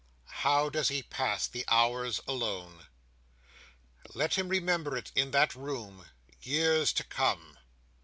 How does he pass the hours, alone? "Let him remember it in that room, years to come!"